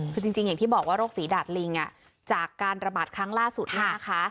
คือจริงอย่างที่บอกว่าโรคฝีดาดลิงจากการระบาดครั้งล่าสุดเนี่ยนะคะ